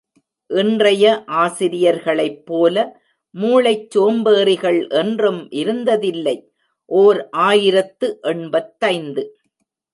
இன்றைய ஆசிரியர்களைப்போல மூளைச் சோம்பேறிகள் என்றும் இருந்ததில்லை, ஓர் ஆயிரத்து எண்பத்தைந்து.